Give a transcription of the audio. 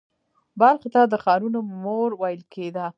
بلخ ته د ښارونو مور ویل کیده